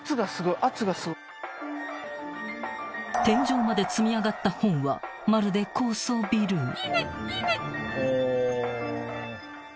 ［天井まで積み上がった本はまるで高層ビル］